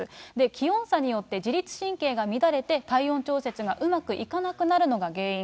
気温差によって、自律神経が乱れて、体温調節がうまくいかなくなるのが原因。